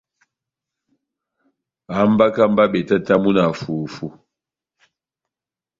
Hambaka mba betatamu na fufu.